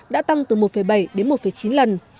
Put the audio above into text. đã tăng từ một bảy đến một chín lần